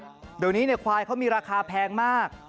ระวังนะครับเดี๋ยวนี้ควายเขามีราคาแพงมาก